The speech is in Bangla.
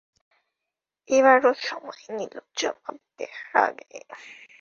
এবার ও সময় নিল জবাব দেয়ার আগে।